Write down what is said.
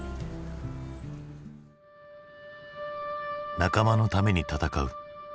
「仲間のために戦う」